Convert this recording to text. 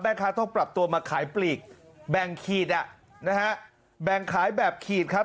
แม่งค้าต้องปรับตัวมาขายปลีกแบงค์ขีดแบงค์ขายแบบขีดครับ